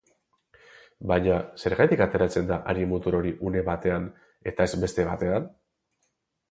Baina, zergatik ateratzen da hari-mutur hori une batean eta ez beste batean?